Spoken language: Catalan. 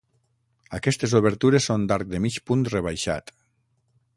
Aquestes obertures són d'arc de mig punt rebaixat.